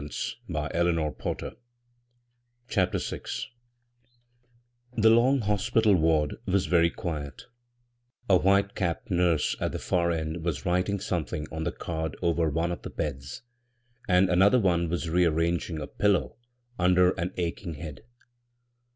54 b, Google CHAPTER VI THE long hospital ward was very quiet A white capped nurse at the far eod was writing something on the card over one cA the beds ; and another one was rearranging a pillow under an ach ing head.